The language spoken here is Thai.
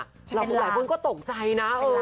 หลายคนก็ตกใจนะ